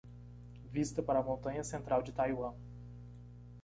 Vista para a montanha central de Taiwan